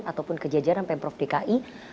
ataupun ke jajaran pemprov dki